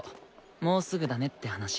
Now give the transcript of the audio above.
もうすぐだねって話。